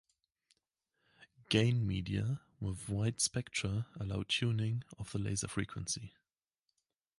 "Gain media" with wide spectra allow tuning of the laser frequency.